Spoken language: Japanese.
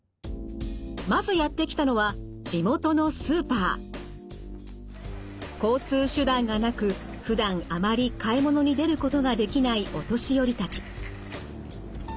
まずやって来たのは交通手段がなくふだんあまり買い物に出ることができないお年寄りたち。